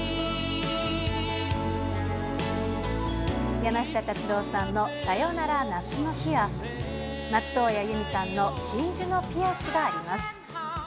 山下達郎さんのさよなら夏の日や、松任谷由実さんの真珠のピアスがあります。